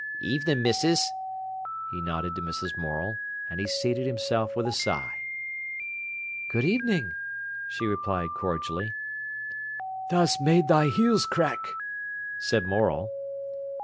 "Evenin', missis," he nodded to Mrs. Morel, and he seated himself with a sigh. "Good evening," she replied cordially. "Tha's made thy heels crack," said Morel.